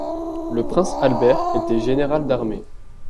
Le prince Albert était général d'armée.